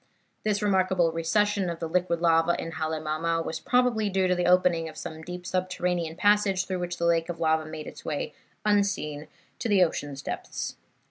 "This remarkable recession of the liquid lava in Halemaumau was probably due to the opening of some deep subterranean passage through which the lake of lava made its way unseen to the ocean's depths.